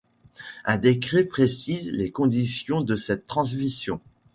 Un décret précise les conditions de cette transmission.